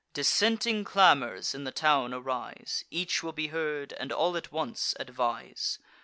Dissenting clamours in the town arise; Each will be heard, and all at once advise.